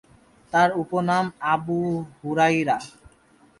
তার উপনাম আবু হুরায়রা।